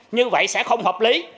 như vậy sẽ không hợp lý